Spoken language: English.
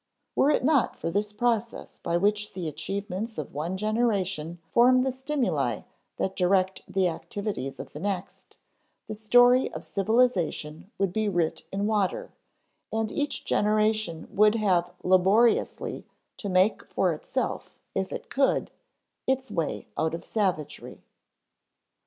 Were it not for this process by which the achievements of one generation form the stimuli that direct the activities of the next, the story of civilization would be writ in water, and each generation would have laboriously to make for itself, if it could, its way out of savagery.